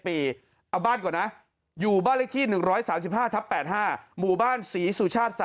เอาบ้านก่อนนะอยู่บ้านเลขที่๑๓๕ทับ๘๕หมู่บ้านศรีสุชาติ๓